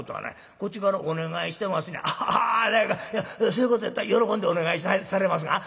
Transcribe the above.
そういうことやったら喜んでお願いされますが」。